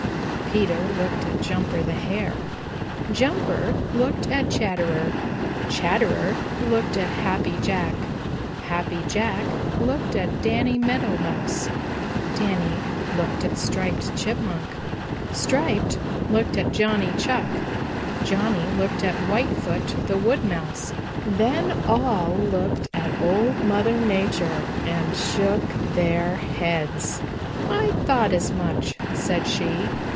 Peter looked at Jumper the Hare. Jumper looked at Chatterer. Chatterer looked at Happy Jack. Happy Jack looked at Danny Meadow Mouse. Danny looked at Striped Chipmunk. Striped looked at Johnny Chuck. Johnny looked at Whitefoot the Wood Mouse. Then all looked at Old Mother Nature and shook their heads. "I thought as much," said she.